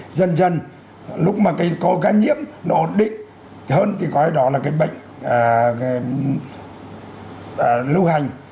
thì dần dần lúc mà cái ca nhiễm nó ổn định hơn thì có cái đó là cái bệnh lưu hành